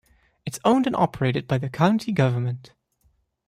It is owned and operated by the county government.